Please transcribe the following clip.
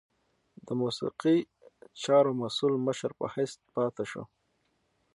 د موسیقي چارو مسؤل مشر په حیث پاته شو.